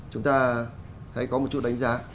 chúng ta hãy có một chút đánh giá